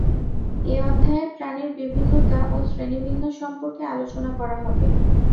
এ অধ্যায়ে প্রাণীর বিভিন্নতা ও শ্রেণীবিন্যাস সম্পর্কে আলোচনা করা হবে।